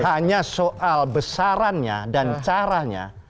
hanya soal besarannya dan caranya